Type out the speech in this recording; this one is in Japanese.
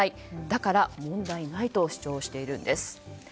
だから問題ないと主張しているんです。